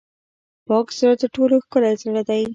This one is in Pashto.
پاک زړه تر ټولو ښکلی زړه دی.